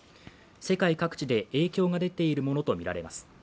世界各地で、影響が出ているものとみられます。